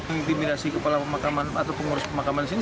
mengintimidasi kepala pemakaman atau pengurus pemakaman di sini